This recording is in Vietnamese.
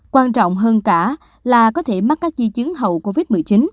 quan trọng hơn cả là có thể mắc các di chứng hậu covid một mươi chín